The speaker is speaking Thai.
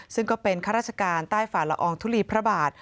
ซึ่งก็เป็นข้าราชการใต้ฝ่าละอองทุลีพระบาท